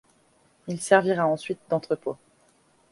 Il servira ensuite d'entrepôt.